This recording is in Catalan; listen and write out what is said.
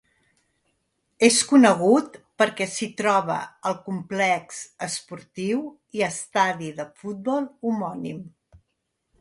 És conegut perquè s'hi troba el complex esportiu i estadi de futbol homònim.